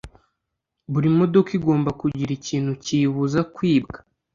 Buri modoka igomba kugira ikintu kiyibuza kwibwa